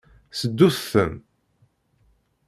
Seddut-ten.